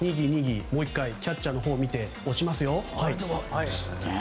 もう１回キャッチャーのほうを見て押しますよ。